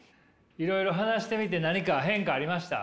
いろいろ話してみて何か変化ありました？